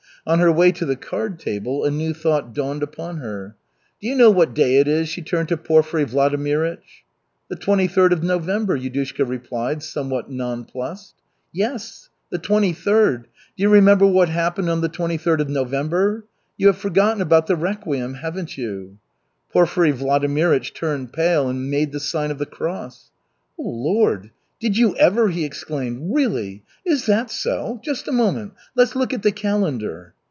On her way to the card table a new thought dawned upon her. "Do you know what day it is?" she turned to Porfiry Vladimirych. "The twenty third of November," Yudushka replied, somewhat nonplussed. "Yes, the twenty third. Do you remember what happened on the twenty third of November? You have forgotten about the requiem, haven't you?" Porfiry Vladimirych turned pale and made the sign of the cross. "Oh, Lord! Did you ever!" he exclaimed. "Really? Is that so? Just a moment. Let's look at the calendar."